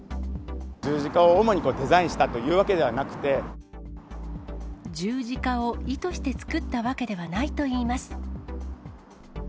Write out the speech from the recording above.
十字架を主にデザインしたと十字架を意図して作ったわけではないといいます。